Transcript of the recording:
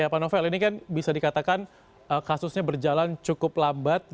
pak novel ini kan bisa dikatakan kasusnya berjalan cukup lambat